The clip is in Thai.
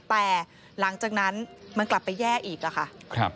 แต่หลังจากนั้นมันกลับไปแย่อีกค่ะ